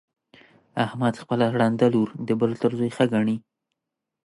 احمد خپله ړنده لور د بل تر زوی ښه ګڼي.